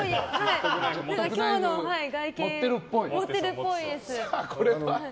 今日の外見持ってるっぽいです。